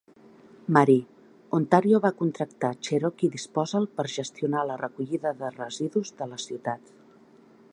Marie, Ontario va contractar Cherokee Disposal per gestionar la recollida de residus de la ciutat.